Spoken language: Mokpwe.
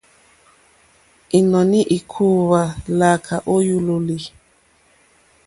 Ínɔ̀ní íkòòwà lǎkà ó yúlòlì.